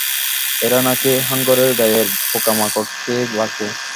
এরা নাকি হাঙ্গরের গায়ের পোকা-মাকড় খেয়ে বাঁচে।